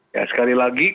ya sekali lagi